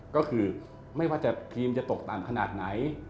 ก็คือไม่ว่าจะทีมจะตกต่ำขนาดไหน